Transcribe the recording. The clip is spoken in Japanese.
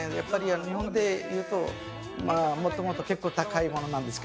日本でいうともともと結構高いものなんですが。